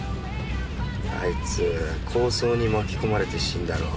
あいつ抗争に巻き込まれて死んだろ。